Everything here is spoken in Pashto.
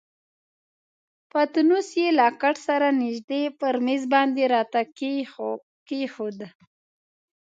پتنوس یې له کټ سره نژدې پر میز باندې راته کښېښود.